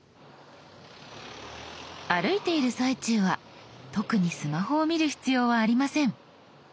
歩いている最中は特にスマホを見る必要はありません。